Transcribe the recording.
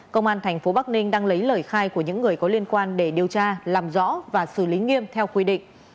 công an tp bắc ninh đang lấy lời khai của những người có liên quan để điều tra làm rõ và xử lý nghiêm theo quy định